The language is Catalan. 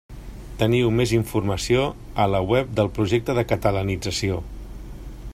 Teniu més informació a la web del projecte de catalanització.